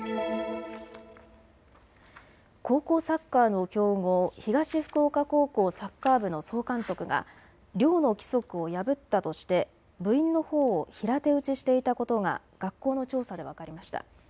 高校サッカーの強豪、東福岡高校サッカー部の総監督が寮の規則を破ったとして部員のほおを平手打ちしていたことが学校の調査で分かりました。